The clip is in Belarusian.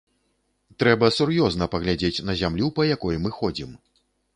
Трэба сур'ёзна паглядзець на зямлю, па якой мы ходзім.